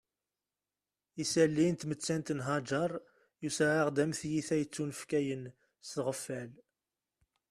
Isalli n tmettant n Haǧer yusa-aɣ-d am tiyita yettunefkayen s tɣeffal